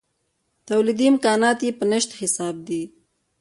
تولیدي امکانات یې په نشت حساب دي.